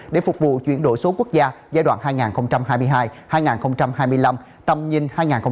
để phục vụ chuyển đổi số quốc gia giai đoạn hai nghìn hai mươi hai hai nghìn hai mươi năm tầm nhìn hai nghìn ba mươi